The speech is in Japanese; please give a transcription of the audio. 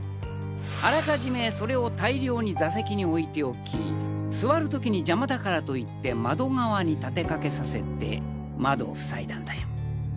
あらかじめそれを大量に座席に置いておき座る時に邪魔だからと言って窓側に立て掛けさせて窓をふさいだんだよ。